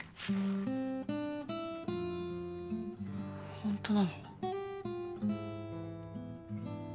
ホントなの？